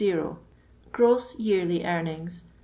0 0 0 Gross yearly earnings